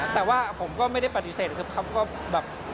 แต่ว่าผมก็ไม่ได้ปฏิเสธครับ